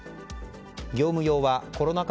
業務用はコロナ禍